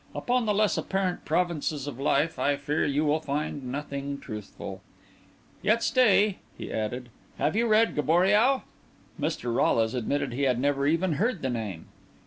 Upon the less apparent provinces of life I fear you will find nothing truthful. Yet stay," he added, "have you read Gaboriau?" Mr. Rolles admitted he had never even heard the name.